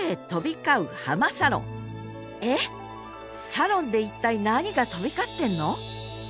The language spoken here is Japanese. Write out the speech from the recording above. サロンで一体何か飛び交ってるの？